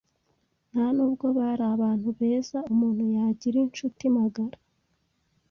nta n’ubwo bari abantu beza umuntu yagira incuti magara